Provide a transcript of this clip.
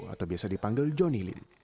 atau biasa dipanggil johnny lin